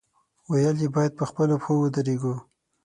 ویل یې، باید په خپلو پښو ودرېږو.